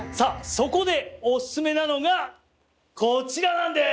そこでオススメなのがこちらなんです。